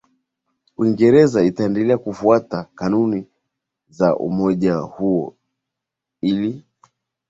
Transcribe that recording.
Uingereza itaendelea kufuata kanuni za umoja huo ili